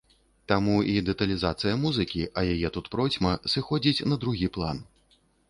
Таму і дэталізацыя музыкі, а яе тут процьма, сыходзіць на другі план.